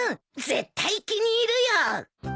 絶対気に入るよ！